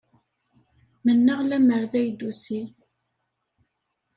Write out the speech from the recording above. Mennaɣ lemmer d ay d-tusi.